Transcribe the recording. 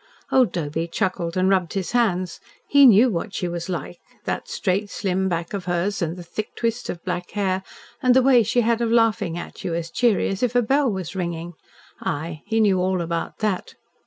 Old Doby chuckled and rubbed his hands. He knew what she was like. That straight, slim back of hers, and the thick twist of black hair, and the way she had of laughing at you, as cheery as if a bell was ringing. Aye, he knew all about that.